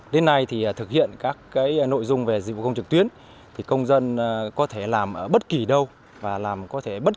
đến nay thì thực hiện các nội dung về dịch vụ công trực tuyến